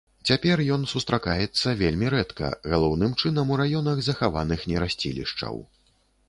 Цяпер ён сустракаецца вельмі рэдка, галоўным чынам у раёнах захаваных нерасцілішчаў.